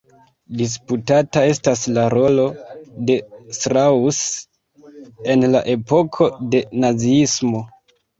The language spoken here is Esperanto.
Disputata estas la rolo de Strauss en la epoko de naziismo.